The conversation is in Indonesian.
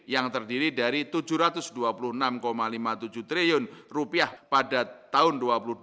yang terdiri dari tujuh ratus dua puluh enam lima puluh tujuh triliun pada tahun dua ribu dua puluh